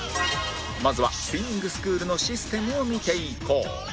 まずはスイミングスクールのシステムを見ていこう